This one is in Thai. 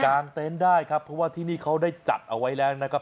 งเต็นต์ได้ครับเพราะว่าที่นี่เขาได้จัดเอาไว้แล้วนะครับ